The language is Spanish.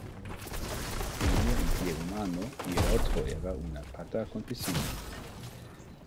Tenía un pie humano y el otro era una pata con pezuña.